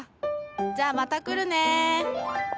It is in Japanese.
じゃあまた来るね。